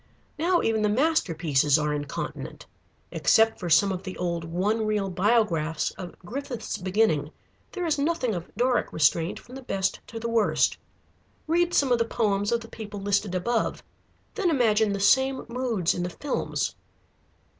Now even the masterpieces are incontinent. Except for some of the old one reel Biographs of Griffith's beginning, there is nothing of Doric restraint from the best to the worst. Read some of the poems of the people listed above, then imagine the same moods in the films.